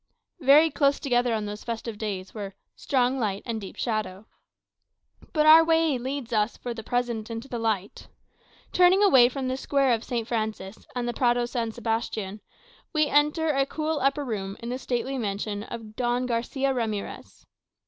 Very close together on those festive days were "strong light and deep shadow." But our way leads us, for the present, into the light. Turning away from the Square of St. Francis, and the Prado San Sebastian, we enter a cool upper room in the stately mansion of Don Garçia Ramirez.